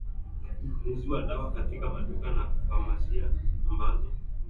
ununuzi wa dawa katika maduka na famasia ambazo zimehalalishwa na serikali